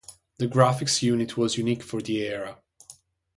The graphics unit was unique for the era.